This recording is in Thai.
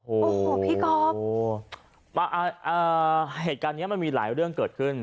โอ้โหพี่ก๊อฟเหตุการณ์นี้มันมีหลายเรื่องเกิดขึ้น